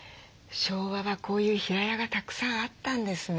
昭和はこういう平屋がたくさんあったんですね。